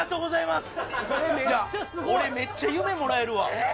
いや俺めっちゃ夢もらえるわ。